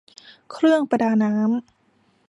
เครื่องประดาน้ำ